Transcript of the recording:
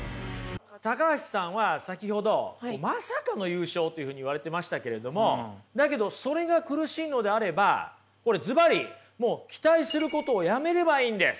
橋さんは先ほど「まさかの優勝」というふうに言われてましたけれどもだけどそれが苦しいのであればこれずばりもう期待することをやめればいいんです。